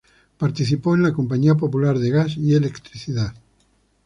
Participó en la Compañía Popular de Gas y Electricidad.